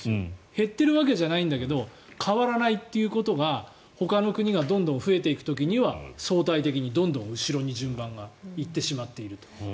減ってるわけじゃないんだけど変わらないということがほかの国がどんどん増えていく時には相対的にどんどん後ろに順位が行ってしまっていると。